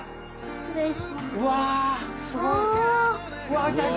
失礼します。